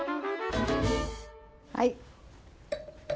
はい。